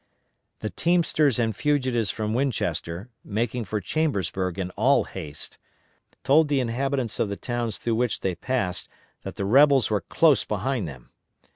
The teamsters and fugitives from Winchester, making for Chambersburg in all haste, told the inhabitants of the towns through which they passed that the rebels were close behind them.